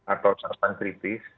atau pertanyaan kritis